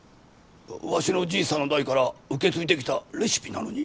わしのじいさんの代から受け継いできたレシピなのに？